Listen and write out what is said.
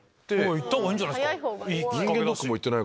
行った方がいいんじゃないですか。